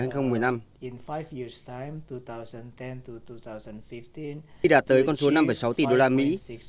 khi đạt tới con số năm sáu tỷ đô la mỹ